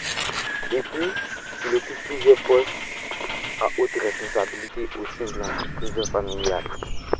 Depuis Il occupe plusieurs postes à haute responsabilité au sein de l'entreprise familiale.